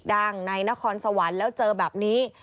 ในนครสวรรค์แล้วเจอแบบนี้